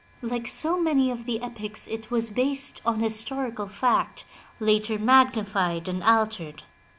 Like so many of the epics it was based on his torical fact, later magnified and altered.